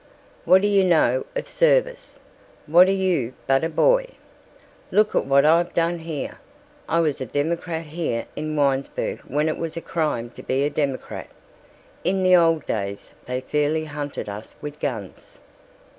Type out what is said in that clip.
"What do you know of service? What are you but a boy? Look at what I've done here! I was a Democrat here in Winesburg when it was a crime to be a Democrat. In the old days they fairly hunted us with guns."